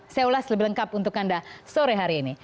saya ulas lebih lengkap untuk anda sore hari ini